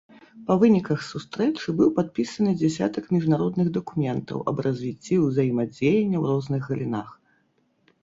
Па выніках сустрэчы быў падпісаны дзясятак міжнародных дакументаў аб развіцці ўзаемадзеяння ў розных галінах.